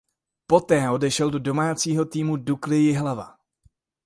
Poté odešel do domácího týmu Dukly Jihlava.